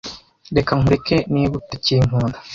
reka nkureke niba utakinkunda